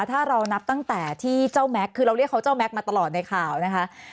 ถ้าเรานับตั้งแต่ที่เจ้าแม็กซ์คือเราเรียกเขาเจ้าแม็กซมาตลอดในข่าวนะคะ